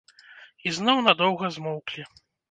І зноў надоўга змоўклі.